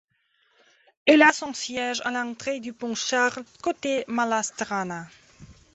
Il a son siège à l'entrée du Pont Charles, côté Malá Strana.